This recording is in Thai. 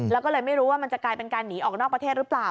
แล้วก็เลยไม่รู้ว่ามันจะกลายเป็นการหนีออกนอกประเทศหรือเปล่า